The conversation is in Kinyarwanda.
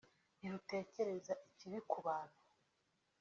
ntirutekereza ikibi ku bantu